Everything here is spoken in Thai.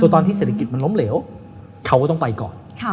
ตอนที่เศรษฐกิจมันล้มเหลวเขาก็ต้องไปก่อน